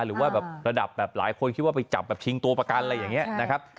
หรือว่าแบบระดับแบบหลายคนคิดว่าไปจับแบบชิงตัวประกันอะไรอย่างนี้นะครับ